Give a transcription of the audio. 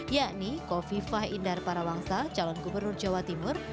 yakni kofi fah indar parawangsa calon gubernur jawa timur